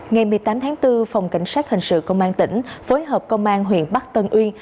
ngày một mươi tám tháng bốn phòng cảnh sát hình sự công an tỉnh phối hợp công an huyện bắc tân uyên